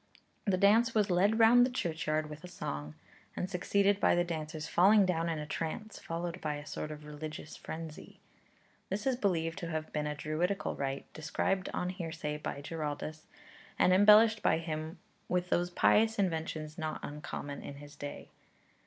The dance was 'led round the churchyard with a song,' and succeeded by the dancers falling down in a trance, followed by a sort of religious frenzy. This is believed to have been a Druidical rite, described on hearsay by Giraldus, and embellished by him with those pious inventions not uncommon in his day.